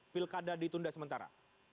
pilkada ditunda sementara